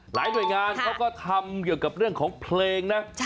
หลายหน่วยงานเขาก็ทำเกี่ยวกับเรื่องของเพลงนะ